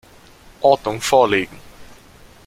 Ordnung vorlegen.